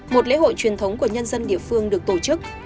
một lễ hội truyền thống của nhân dân địa phương được tổ chức